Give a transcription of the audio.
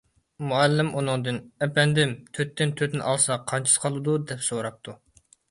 مۇئەللىم ئۇنىڭدىن: _ ئەپەندىم، تۆتتىن تۆتنى ئالسا قانچىسى قالىدۇ؟ _ دەپ سوراپتۇ.